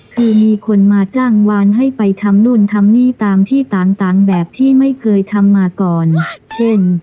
คือมีคนมาจ้างวานให้ไปทำนู่นทำนี่ตามที่ต่างแบบที่ไม่เคยทำมาก่อนเช่น